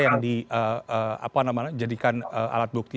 yang di apa namanya dijadikan alat bukti